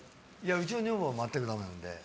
うちの女房は全くダメなので。